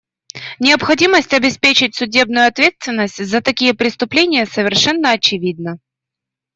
Необходимость обеспечить судебную ответственность за такие преступления совершенно очевидна.